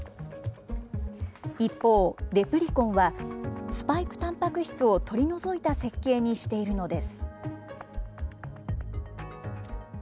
一方、レプリコンは、スパイクたんぱく質を取り除いた設計にしているのです。